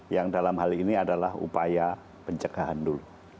yang dalam hal ini adalah upaya pencegahan dulu